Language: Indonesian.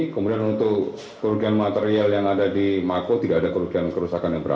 kemudian untuk kerugian material yang ada di mako tidak ada kerugian kerusakan yang berat